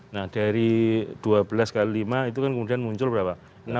nah dari dua belas x lima itu kan kemudian muncul berapa